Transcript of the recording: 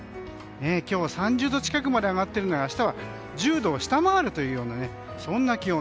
今日は３０度近くまで上がっているのが明日は１０度を下回るという気温。